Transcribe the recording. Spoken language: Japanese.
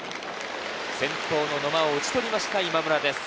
先頭の野間を打ち取りました、今村です。